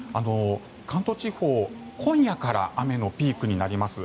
関東地方今夜から雨のピークになります。